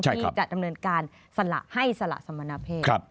ที่จะดำเนินการสละให้สละสมณเพศ